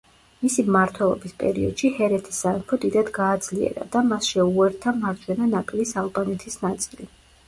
მისი მმართველობის პერიოდში ჰერეთის სამეფო დიდად გააძლიერა და მას შეუერთა მარჯვენა ნაპირის ალბანეთის ნაწილი.